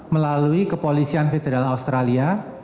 melalui kepolisian federal australia